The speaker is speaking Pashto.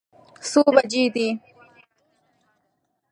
څه بجې دي؟